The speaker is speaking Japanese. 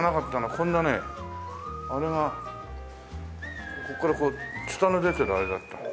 こんなねあれがここからこうツタの出てるあれだった。